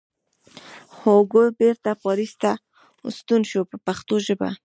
هوګو بېرته پاریس ته ستون شو په پښتو ژبه.